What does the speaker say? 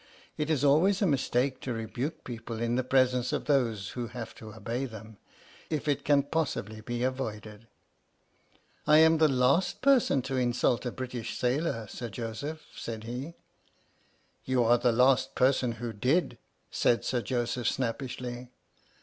It is always a mistake to rebuke people in the presence of those who have to obey them, if it can possibly be avoided. 46 H.M.S. "PINAFORE" " I am the last person to insult a British sailor, Sir Joseph," said he. " You are the last person who did, " said Sir Joseph, snappishly.